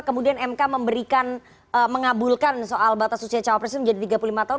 kemudian mk memberikan mengabulkan soal batas usia cawapres ini menjadi tiga puluh lima tahun